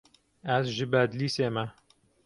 Ez ji Bedlîsê me.